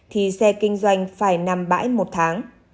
thì xe kinh doanh phải nằm bãi một tháng